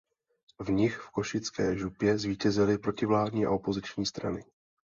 V nich v Košické župě zvítězily protivládní a opoziční strany.